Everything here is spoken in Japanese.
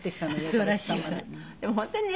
すばらしいわね。